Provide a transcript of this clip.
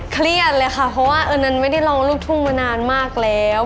เครียดเลยค่ะเพราะว่าอันนั้นไม่ได้ร้องลูกทุ่งมานานมากแล้ว